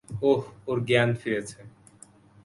ওহ, ওর জ্ঞান ফিরেছে।